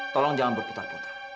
tolong jangan berputar putar